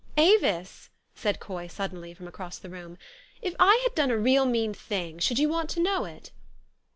4 ' Avis !'' said Coy suddenly from across the room, " if I had done a real mean thing, should you want to know it